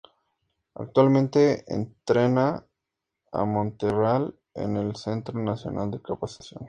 Actualmente entrena en Montreal en el Centro Nacional de Capacitación.